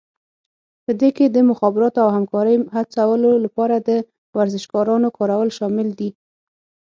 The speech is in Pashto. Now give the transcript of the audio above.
په دې کې د مخابراتو او همکارۍ هڅولو لپاره د ورزشکارانو کارول شامل دي